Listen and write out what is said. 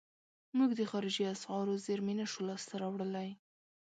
موږ د خارجي اسعارو زیرمې نشو لاس ته راوړلای.